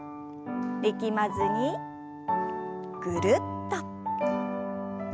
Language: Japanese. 力まずにぐるっと。